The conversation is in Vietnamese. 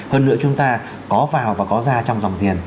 hơn nữa chúng ta có vào và có ra trong dòng tiền